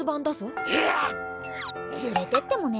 連れてってもね。